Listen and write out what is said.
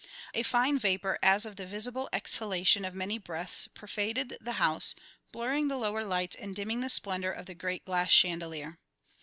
A fine vapour as of the visible exhalation of many breaths pervaded the house, blurring the lowered lights and dimming the splendour of the great glass chandelier.